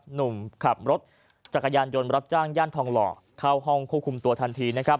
หนุ่มขับรถจักรยานยนต์รับจ้างย่านทองหล่อเข้าห้องควบคุมตัวทันทีนะครับ